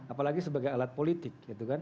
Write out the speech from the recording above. apalagi sebagai alat politik